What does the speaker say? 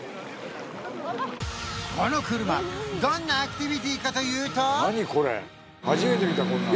この車どんなアクティビティかというと何？